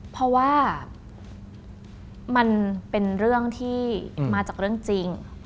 เพราะว่ามันเป็นเรื่องที่มาจากเรื่องจริง